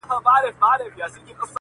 • هر ګستاخ چي په ګستاخ نظر در ګوري ..